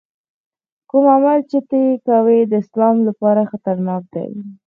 کوم عمل چې ته یې کوې د اسلام لپاره خطرناک دی.